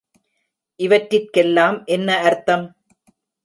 இவற்றிற்கெல்லாம் என்ன அர்த்தம்?